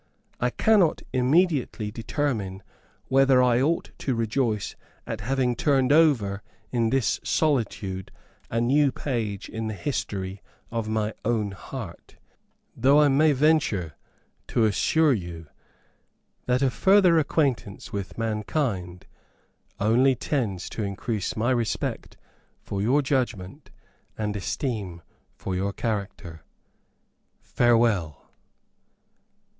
I cannot immediately determine whether I ought to rejoice at having turned over in this solitude a new page in the history of my own heart, though I may venture to assure you that a further acquaintance with mankind only tends to increase my respect for your judgment and esteem for your character. Farewell!